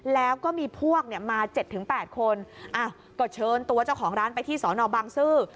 แล้วก็มีพวกเนี้ยมาเจ็ดถึงแปดคนอ่ะก็เชิญตัวเจ้าของร้านไปที่สอนอบังซื้อ